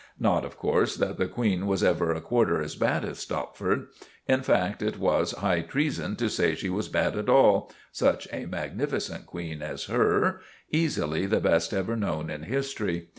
Not of course that the Queen was ever a quarter as bad as Stopford. In fact, it was high treason to say she was bad at all—such a magnificent Queen as her—easily the best ever known in history.